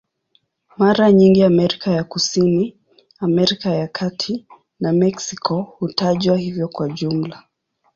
Mara nyingi Amerika ya Kusini, Amerika ya Kati na Meksiko hutajwa hivyo kwa jumla.